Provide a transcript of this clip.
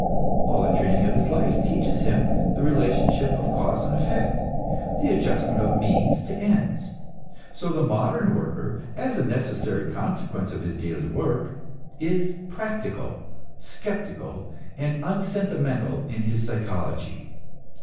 All the training of his life teaches him the relationship of cause and effect, the adjustment of means to ends. So the modern worker, as a necessary consequence of his daily work, is practical, skeptical, and unsentimental in his psychology.